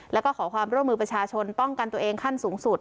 แล้วก็ขอความร่วมมือประชาชนป้องกันตัวเองขั้นสูงสุด